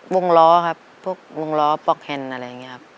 วงล้อครับพวกวงล้อป๊อกแฮนด์อะไรอย่างนี้ครับ